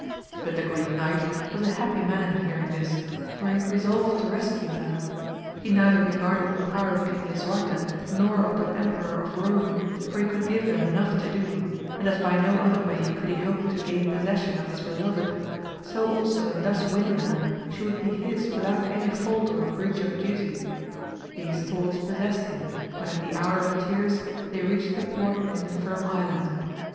But the Greek Knight was a happy man hearing this, for he had resolved to rescue her; he neither regarded the power of King Lisuarte nor of the Emperor of Eome, for he could give them enough to do, and as by no other way could he hope to gain possession of liis beloved, so also in thus winning her, she would be his without any fault or breach of duty; these thoughts possessed him, when at the hour of tierce they reached the port in the Firm Island.